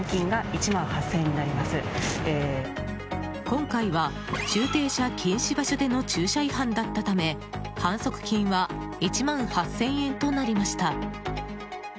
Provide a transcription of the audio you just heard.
今回は駐停車禁止場所での駐車違反だったため反則金は１万８０００円となりました。